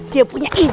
dia punya ide